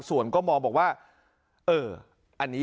ส่วนก็มองบอกว่าเออ